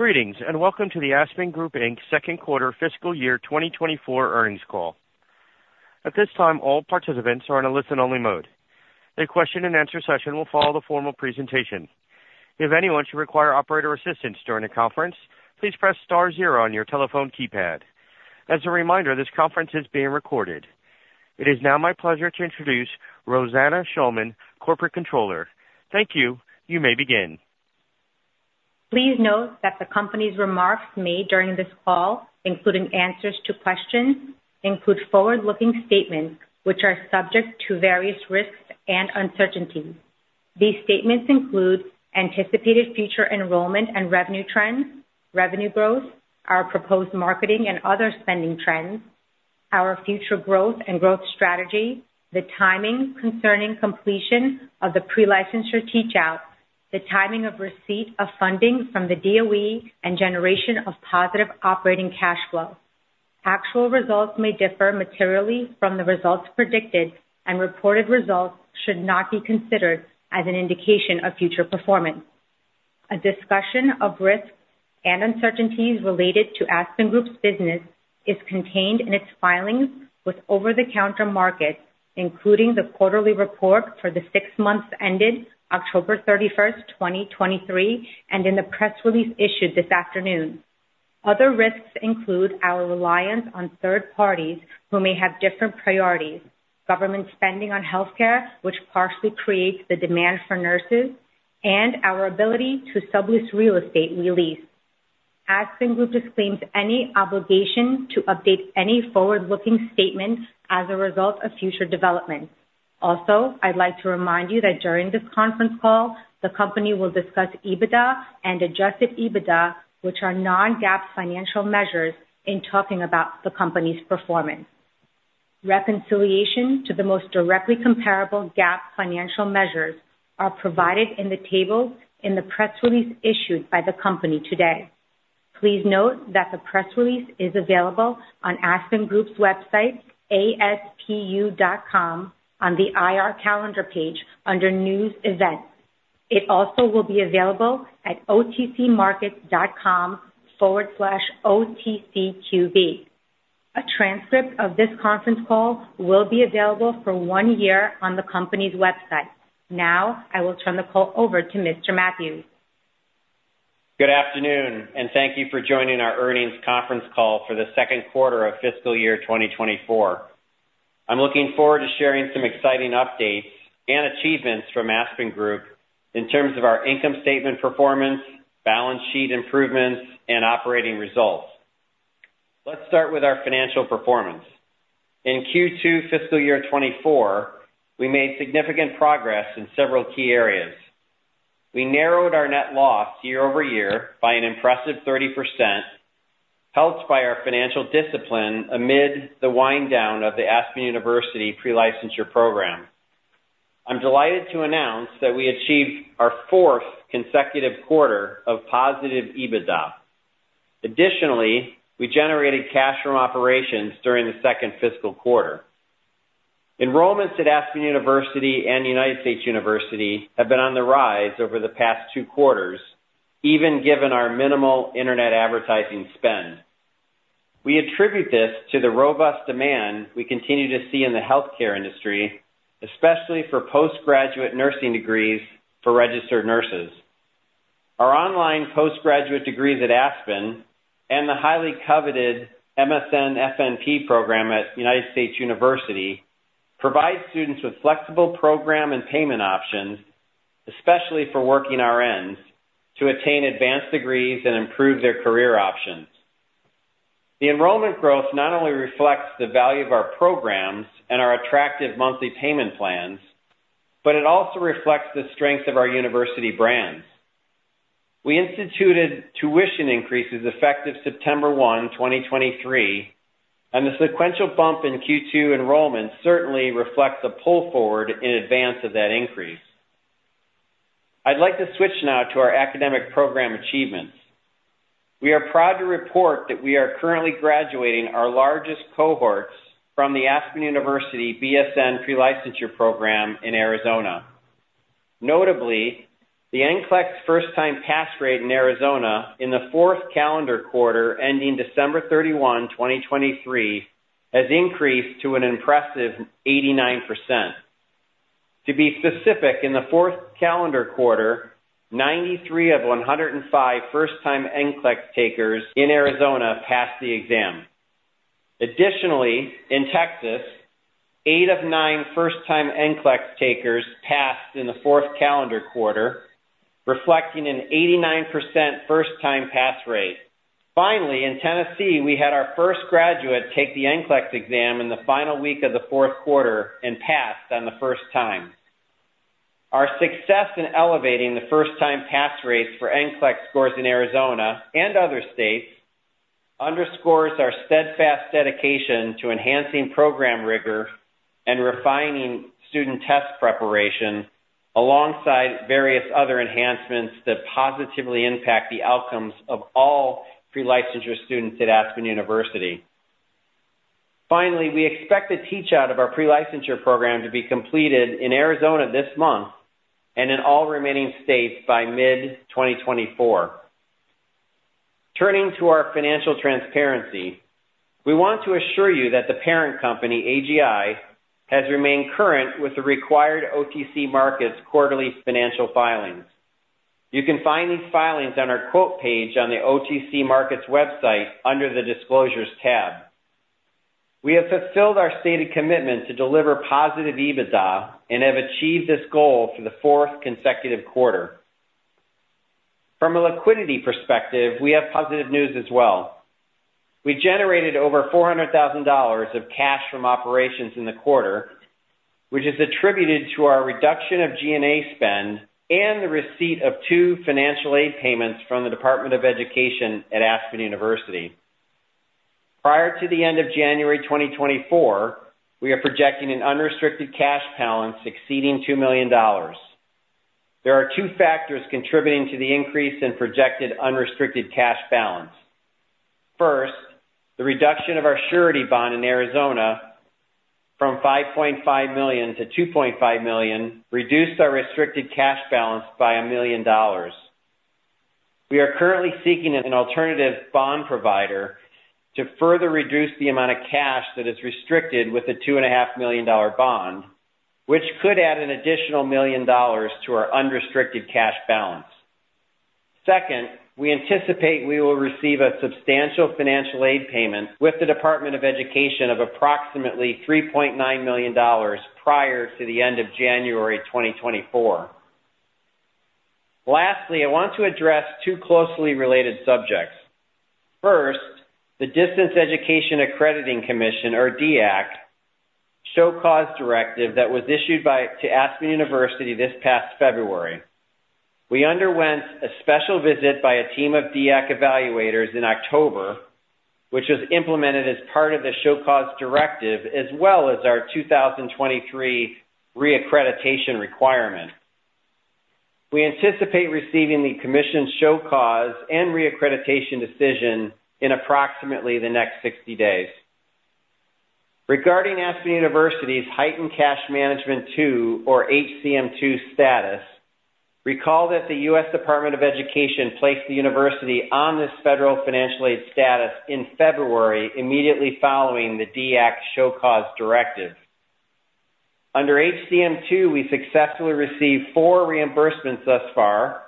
Greetings, and welcome to the Aspen Group Inc.'s Q2 fiscal year 2024 earnings call. At this time, all participants are in a listen-only mode. A question-and-answer session will follow the formal presentation. If anyone should require operator assistance during the conference, please press star zero on your telephone keypad. As a reminder, this conference is being recorded. It is now my pleasure to introduce Rozanna Shulman, Corporate Controller. Thank you. You may begin. Please note that the company's remarks made during this call, including answers to questions, include forward-looking statements, which are subject to various risks and uncertainties. These statements include anticipated future enrollment and revenue trends, revenue growth, our proposed marketing and other spending trends, our future growth and growth strategy, the timing concerning completion of the pre-licensure teach-out, the timing of receipt of funding from the DOE, and generation of positive operating cash flow. Actual results may differ materially from the results predicted, and reported results should not be considered as an indication of future performance. A discussion of risks and uncertainties related to Aspen Group's business is contained in its filings with Over-the-Counter Markets, including the quarterly report for the six months ended October 31, 2023, and in the press release issued this afternoon. Other risks include our reliance on third parties who may have different priorities, government spending on healthcare, which partially creates the demand for nurses, and our ability to sublease real estate we lease. Aspen Group disclaims any obligation to update any forward-looking statements as a result of future developments. Also, I'd like to remind you that during this conference call, the company will discuss EBITDA and Adjusted EBITDA, which are non-GAAP financial measures, in talking about the company's performance. Reconciliation to the most directly comparable GAAP financial measures are provided in the tables in the press release issued by the company today. Please note that the press release is available on Aspen Group's website, aspu.com, on the IR Calendar page under News Events. It also will be available at otcmarkets.com/otcqb. A transcript of this conference call will be available for one year on the company's website. Now, I will turn the call over to Mr. Mathews. Good afternoon, and thank you for joining our earnings conference call for the Q2 of fiscal year 2024. I'm looking forward to sharing some exciting updates and achievements from Aspen Group in terms of our income statement performance, balance sheet improvements, and operating results. Let's start with our financial performance. In Q2 fiscal year 2024, we made significant progress in several key areas. We narrowed our net loss year-over-year by an impressive 30%, helped by our financial discipline amid the wind down of the Aspen University pre-licensure program. I'm delighted to announce that we achieved our fourth consecutive quarter of positive EBITDA. Additionally, we generated cash from operations during the second fiscal quarter. Enrollments at Aspen University and United States University have been on the rise over the past two quarters, even given our minimal internet advertising spend. We attribute this to the robust demand we continue to see in the healthcare industry, especially for postgraduate nursing degrees for registered nurses. Our online postgraduate degrees at Aspen and the highly coveted MSN-FNP program at United States University provide students with flexible program and payment options, especially for working RNs, to attain advanced degrees and improve their career options. The enrollment growth not only reflects the value of our programs and our attractive monthly payment plans, but it also reflects the strength of our university brands. We instituted tuition increases effective September 1, 2023, and the sequential bump in Q2 enrollment certainly reflects a pull forward in advance of that increase. I'd like to switch now to our academic program achievements. We are proud to report that we are currently graduating our largest cohorts from the Aspen University BSN pre-licensure program in Arizona. Notably, the NCLEX first-time pass rate in Arizona in the fourth calendar quarter, ending December 31, 2023, has increased to an impressive 89%. To be specific, in the fourth calendar quarter, 93 of 105 first-time NCLEX takers in Arizona passed the exam. Additionally, in Texas, 8 of 9 first-time NCLEX takers passed in the fourth calendar quarter, reflecting an 89% first-time pass rate. Finally, in Tennessee, we had our first graduate take the NCLEX exam in the final week of the Q4 and passed on the first time. Our success in elevating the first-time pass rates for NCLEX scores in Arizona and other states underscores our steadfast dedication to enhancing program rigor and refining student test preparation, alongside various other enhancements that positively impact the outcomes of all pre-licensure students at Aspen University. Finally, we expect the teach-out of our pre-licensure program to be completed in Arizona this month and in all remaining states by mid-2024. Turning to our financial transparency, we want to assure you that the parent company, AGI, has remained current with the required OTC Markets quarterly financial filings. You can find these filings on our quote page on the OTC Markets website under the Disclosures tab. We have fulfilled our stated commitment to deliver positive EBITDA and have achieved this goal for the fourth consecutive quarter. From a liquidity perspective, we have positive news as well. We generated over $400,000 of cash from operations in the quarter, which is attributed to our reduction of G&A spend and the receipt of two financial aid payments from the Department of Education at Aspen University. Prior to the end of January 2024, we are projecting an unrestricted cash balance exceeding $2 million. There are two factors contributing to the increase in projected unrestricted cash balance. First, the reduction of our surety bond in Arizona from $5.5 million to $2.5 million reduced our restricted cash balance by $1 million. We are currently seeking an alternative bond provider to further reduce the amount of cash that is restricted with a $2.5 million dollar bond, which could add an additional $1 million to our unrestricted cash balance. Second, we anticipate we will receive a substantial financial aid payment with the Department of Education of approximately $3.9 million prior to the end of January 2024. Lastly, I want to address two closely related subjects. First, the Distance Education Accrediting Commission, or DEAC, show cause directive that was issued to Aspen University this past February. We underwent a special visit by a team of DEAC evaluators in October, which was implemented as part of the show cause directive, as well as our 2023 reaccreditation requirement. We anticipate receiving the commission's show cause and reaccreditation decision in approximately the next 60 days. Regarding Aspen University's Heightened Cash Monitoring 2, or HCM2 status, recall that the U.S. Department of Education placed the university on this federal financial aid status in February, immediately following the DEAC show cause directive. Under HCM2, we successfully received four reimbursements thus far,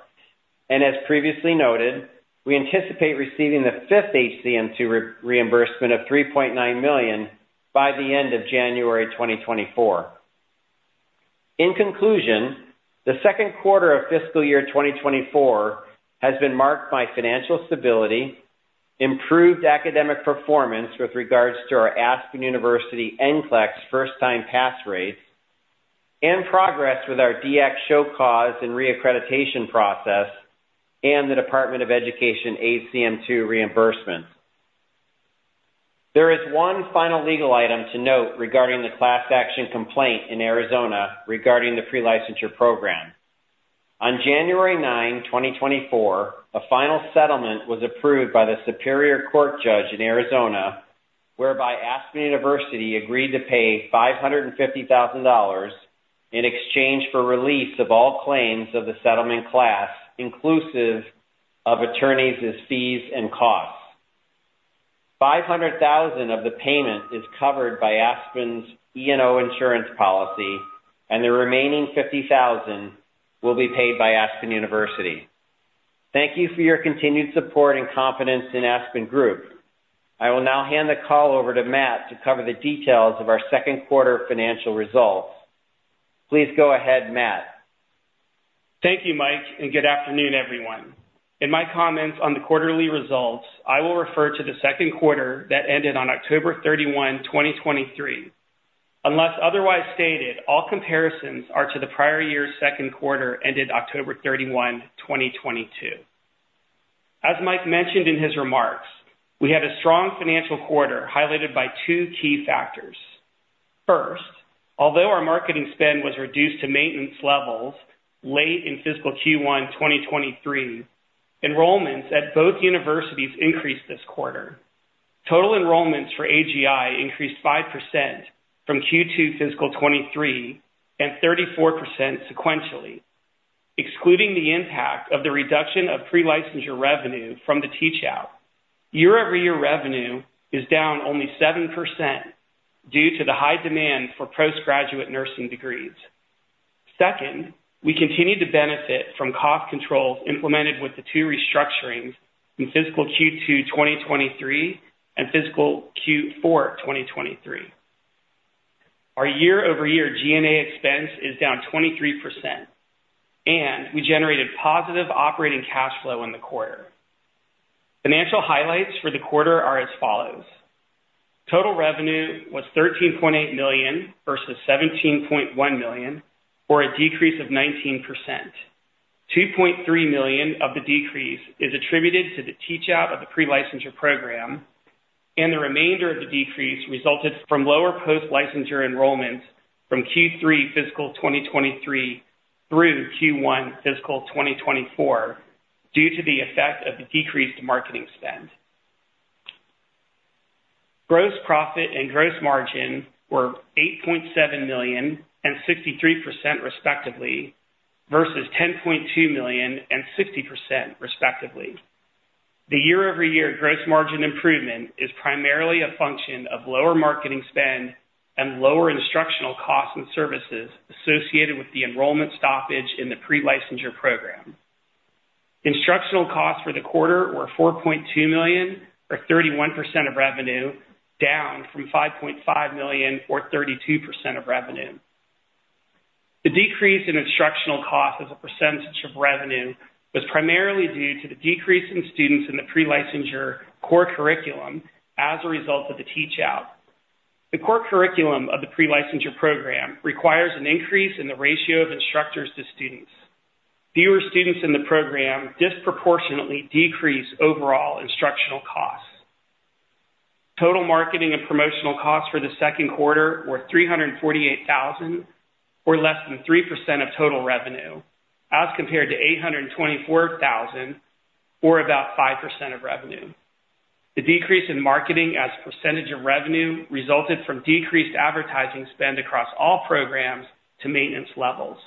and as previously noted, we anticipate receiving the fifth HCM2 reimbursement of $3.9 million by the end of January 2024. In conclusion, the Q2 of fiscal year 2024 has been marked by financial stability, improved academic performance with regards to our Aspen University NCLEX first-time pass rates, and progress with our DEAC show cause and reaccreditation process, and the Department of Education HCM2 reimbursements. There is one final legal item to note regarding the class action complaint in Arizona regarding the pre-licensure program. On January 9, 2024, a final settlement was approved by the Superior Court judge in Arizona, whereby Aspen University agreed to pay $550,000 in exchange for release of all claims of the settlement class, inclusive of attorneys' fees and costs. $500,000 of the payment is covered by Aspen's E&O insurance policy, and the remaining $50,000 will be paid by Aspen University. Thank you for your continued support and confidence in Aspen Group. I will now hand the call over to Matt to cover the details of our Q2 financial results. Please go ahead, Matt. Thank you, Mike, and good afternoon, everyone. In my comments on the quarterly results, I will refer to the Q2 that ended on October 31, 2023. Unless otherwise stated, all comparisons are to the prior year's Q2, ended October 31, 2022. As Mike mentioned in his remarks, we had a strong financial quarter, highlighted by two key factors. First, although our marketing spend was reduced to maintenance levels late in fiscal Q1 2023, enrollments at both universities increased this quarter. Total enrollments for AGI increased 5% from Q2 fiscal 2023, and 34% sequentially. Excluding the impact of the reduction of pre-licensure revenue from the teach-out, year-over-year revenue is down only 7% due to the high demand for postgraduate nursing degrees. Second, we continue to benefit from cost controls implemented with the two restructurings in fiscal Q2 2023, and fiscal Q4 2023. Our year-over-year G&A expense is down 23%, and we generated positive operating cash flow in the quarter. Financial highlights for the quarter are as follows: Total revenue was $13.8 million versus $17.1 million, or a decrease of 19%. $2.3 million of the decrease is attributed to the teach-out of the pre-licensure program, and the remainder of the decrease resulted from lower post-licensure enrollments from Q3 fiscal 2023 through Q1 fiscal 2024... due to the effect of the decreased marketing spend. Gross profit and gross margin were $8.7 million and 63%, respectively, versus $10.2 million and 60%, respectively. The year-over-year gross margin improvement is primarily a function of lower marketing spend and lower instructional costs and services associated with the enrollment stoppage in the pre-licensure program. Instructional costs for the quarter were $4.2 million, or 31% of revenue, down from $5.5 million, or 32% of revenue. The decrease in instructional costs as a percentage of revenue was primarily due to the decrease in students in the pre-licensure core curriculum as a result of the teach-out. The core curriculum of the pre-licensure program requires an increase in the ratio of instructors to students. Fewer students in the program disproportionately decrease overall instructional costs. Total marketing and promotional costs for the Q2 were $348 thousand, or less than 3% of total revenue, as compared to $824 thousand, or about 5% of revenue. The decrease in marketing as a percentage of revenue resulted from decreased advertising spend across all programs to maintenance levels.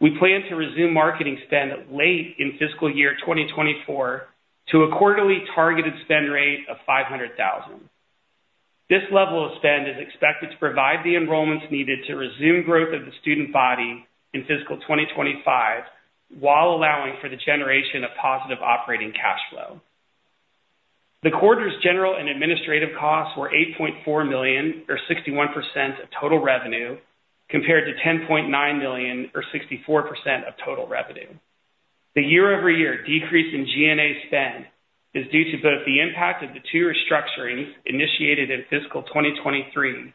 We plan to resume marketing spend late in fiscal year 2024 to a quarterly targeted spend rate of $500,000. This level of spend is expected to provide the enrollments needed to resume growth of the student body in fiscal 2025, while allowing for the generation of positive operating cash flow. The quarter's general and administrative costs were $8.4 million, or 61% of total revenue, compared to $10.9 million, or 64% of total revenue. The year-over-year decrease in G&A spend is due to both the impact of the two restructurings initiated in fiscal 2023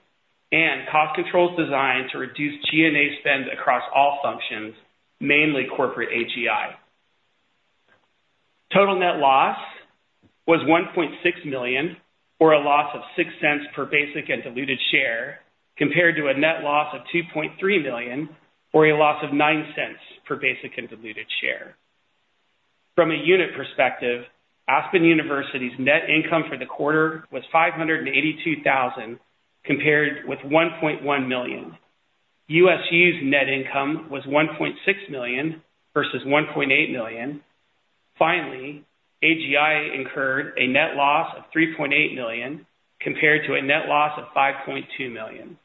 and cost controls designed to reduce G&A spend across all functions, mainly corporate AGI. Total net loss was $1.6 million, or a loss of $0.06 per basic and diluted share, compared to a net loss of $2.3 million, or a loss of $0.09 per basic and diluted share. From a unit perspective, Aspen University's net income for the quarter was $582,000, compared with $1.1 million. USU's net income was $1.6 million versus $1.8 million. Finally, AGI incurred a net loss of $3.8 million, compared to a net loss of $5.2 million.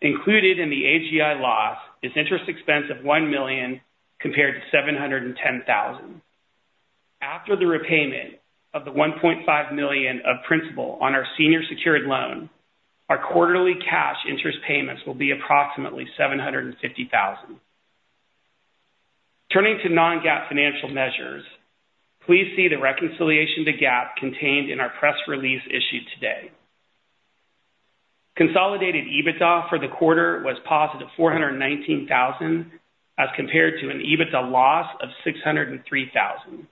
Included in the AGI loss is interest expense of $1 million, compared to $710,000. After the repayment of the $1.5 million of principal on our senior secured loan, our quarterly cash interest payments will be approximately $750,000. Turning to non-GAAP financial measures, please see the reconciliation to GAAP contained in our press release issued today. Consolidated EBITDA for the quarter was positive $419,000, as compared to an EBITDA loss of $603,000.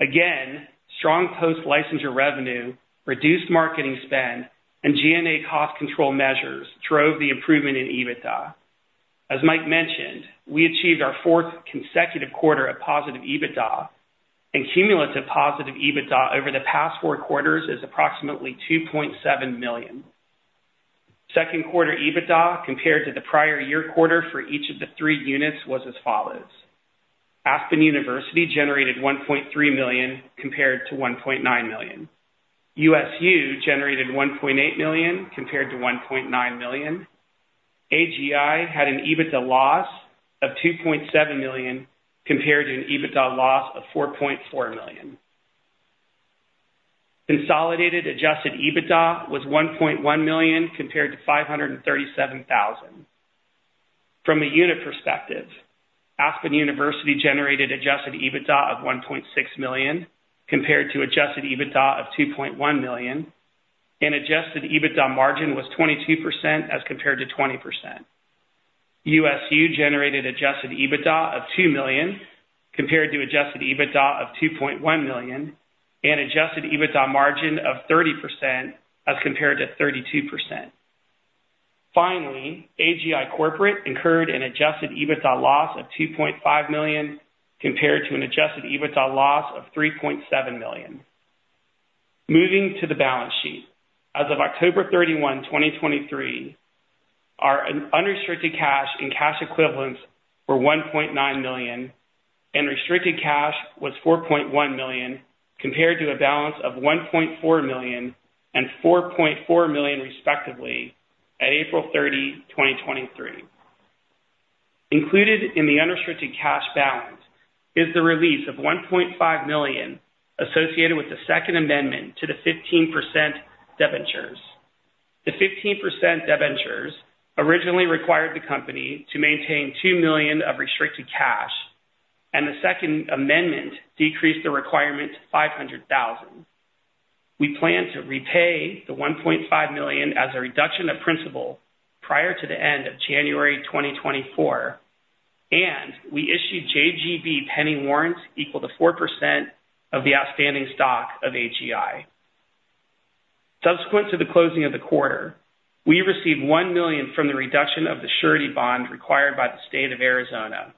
Again, strong post-licensure revenue, reduced marketing spend, and G&A cost control measures drove the improvement in EBITDA. As Mike mentioned, we achieved our fourth consecutive quarter of positive EBITDA, and cumulative positive EBITDA over the past four quarters is approximately $2.7 million. Q2 EBITDA, compared to the prior year quarter for each of the three units, was as follows: Aspen University generated $1.3 million, compared to $1.9 million. USU generated $1.8 million, compared to $1.9 million. AGI had an EBITDA loss of $2.7 million, compared to an EBITDA loss of $4.4 million. Consolidated Adjusted EBITDA was $1.1 million, compared to $537,000. From a unit perspective, Aspen University generated Adjusted EBITDA of $1.6 million, compared to Adjusted EBITDA of $2.1 million, and Adjusted EBITDA margin was 22% as compared to 20%. USU generated Adjusted EBITDA of $2 million, compared to Adjusted EBITDA of $2.1 million, and Adjusted EBITDA margin of 30%, as compared to 32%. Finally, AGI Corporate incurred an Adjusted EBITDA loss of $2.5 million, compared to an Adjusted EBITDA loss of $3.7 million. Moving to the balance sheet. As of October 31, 2023, our unrestricted cash and cash equivalents were $1.9 million, and restricted cash was $4.1 million, compared to a balance of $1.4 million and $4.4 million, respectively, at April 30, 2023. Included in the unrestricted cash balance is the release of $1.5 million associated with the second amendment to the 15% debentures. The 15% debentures originally required the company to maintain $2 million of restricted cash, and the second amendment decreased the requirement to $500,000. We plan to repay the $1.5 million as a reduction of principal prior to the end of January 2024, and we issued JGB penny warrants equal to 4% of the outstanding stock of AGI. Subsequent to the closing of the quarter, we received $1 million from the reduction of the surety bond required by the state of Arizona.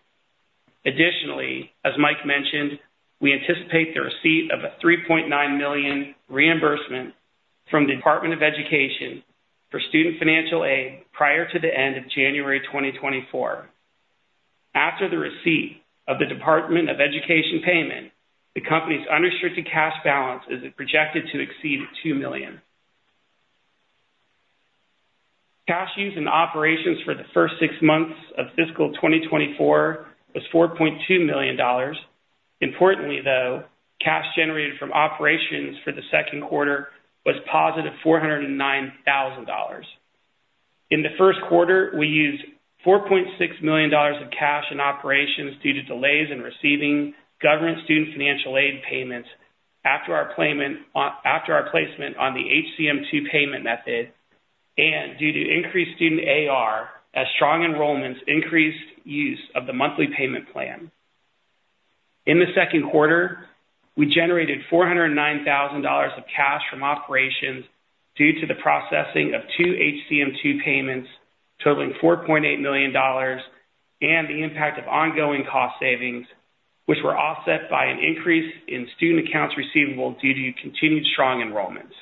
Additionally, as Mike mentioned, we anticipate the receipt of a $3.9 million reimbursement from the Department of Education for student financial aid prior to the end of January 2024. After the receipt of the Department of Education payment, the company's unrestricted cash balance is projected to exceed $2 million. Cash use and operations for the first six months of fiscal 2024 was $4.2 million. Importantly, though, cash generated from operations for the Q2 was positive $409,000. In the Q1, we used $4.6 million of cash in operations due to delays in receiving government student financial aid payments after our placement on the HCM2 payment method and due to increased student AR, as strong enrollments increased use of the monthly payment plan. In the Q2, we generated $409,000 of cash from operations due to the processing of two HCM2 payments, totaling $4.8 million, and the impact of ongoing cost savings, which were offset by an increase in student accounts receivable due to continued strong enrollments.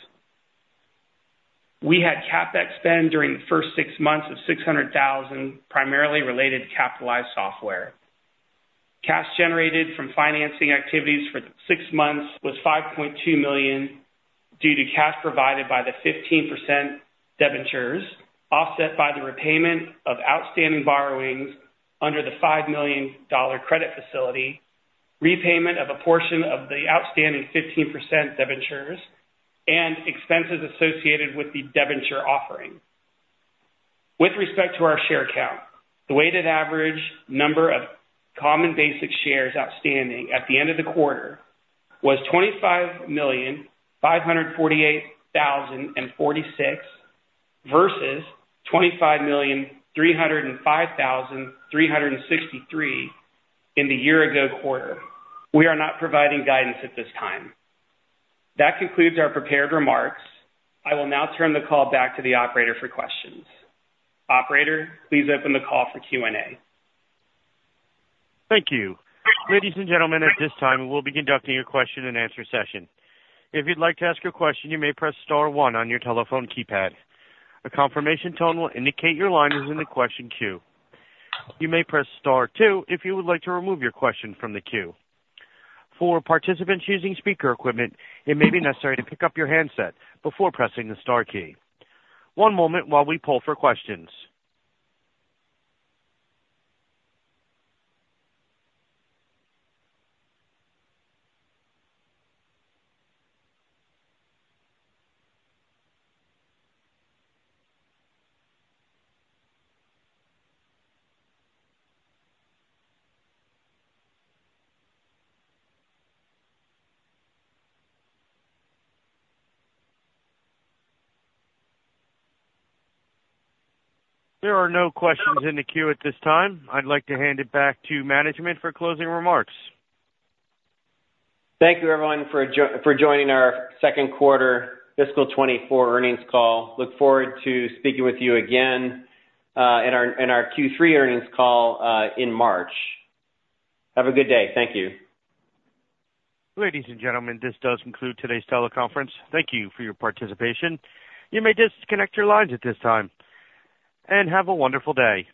We had CapEx spend during the first six months of $600,000, primarily related to capitalized software. Cash generated from financing activities for six months was $5.2 million, due to cash provided by the 15% debentures, offset by the repayment of outstanding borrowings under the $5 million credit facility, repayment of a portion of the outstanding 15% debentures, and expenses associated with the debenture offering. With respect to our share count, the weighted average number of common basic shares outstanding at the end of the quarter was 25,548,046, versus 25,305,363 in the year-ago quarter. We are not providing guidance at this time. That concludes our prepared remarks. I will now turn the call back to the operator for questions. Operator, please open the call for Q&A. Thank you. Ladies and gentlemen, at this time, we'll be conducting a question and answer session. If you'd like to ask a question, you may press star one on your telephone keypad. A confirmation tone will indicate your line is in the question queue. You may press star two if you would like to remove your question from the queue. For participants using speaker equipment, it may be necessary to pick up your handset before pressing the star key. One moment while we poll for questions. There are no questions in the queue at this time. I'd like to hand it back to management for closing remarks. Thank you, everyone, for joining our Q2 fiscal 2024 earnings call. Look forward to speaking with you again in our Q3 earnings call in March. Have a good day. Thank you. Ladies and gentlemen, this does conclude today's teleconference. Thank you for your participation. You may disconnect your lines at this time, and have a wonderful day!